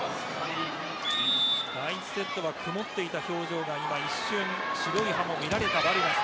第１セットは曇っていた表情が一瞬白い歯も見られたバルガス。